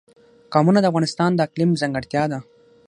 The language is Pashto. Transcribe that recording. قومونه د افغانستان د اقلیم ځانګړتیا ده.